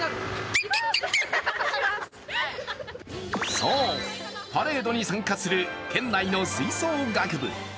そう、パレードに参加する県内の吹奏楽部。